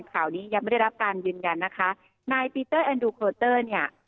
ข่าวนี้ยังไม่ได้รับการยืนยันนะคะนายพีเตอร์เนี่ย